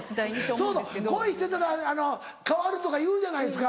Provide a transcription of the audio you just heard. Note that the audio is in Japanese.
そうそう恋してたら変わるとかいうじゃないですか。